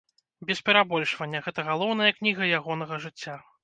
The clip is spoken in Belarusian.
Без перабольшвання, гэта галоўная кніга ягонага жыцця.